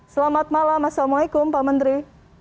selamat malam assalamualaikum pak menteri